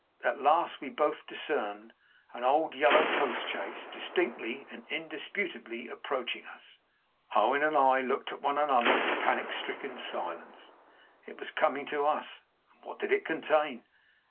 At last we both discerned an old yellow post chaise distinctly and indisputably approaching us. Owen and I looked at one another in panic stricken silence. It was coming to us and what did it contain?